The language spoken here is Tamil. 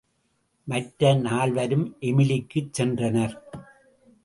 மற்ற நால்வரும் எமிலிக்குச் சென்றனர்.